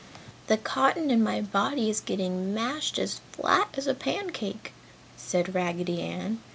"The cotton in my body is getting mashed as flat as a pancake!" said Raggedy Ann.